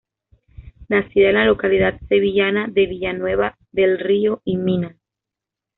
Nacida en la localidad sevillana de Villanueva del Río y Minas.